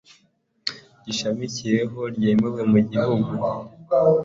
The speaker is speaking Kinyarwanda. gishamikiyeho ryemewe mu gihugu